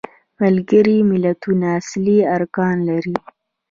ملګري ملتونه اصلي ارکان لري.